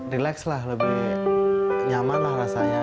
relax lah lebih nyaman lah rasanya